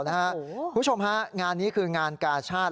คุณผู้ชมฮะงานนี้คืองานกาชาติ